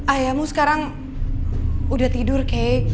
ayahmu sekarang udah tidur kay